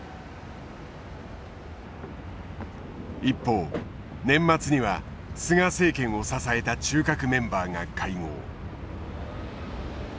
一方年末には菅政権を支えた中核メンバーが会合。